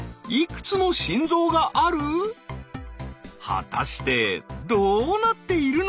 果たしてどうなっているのか？